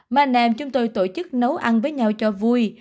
mà nèm chúng tôi tổ chức nấu ăn với nhau cho vui